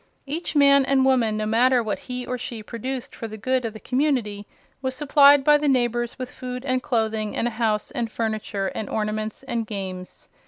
Each man and woman, no matter what he or she produced for the good of the community, was supplied by the neighbors with food and clothing and a house and furniture and ornaments and games.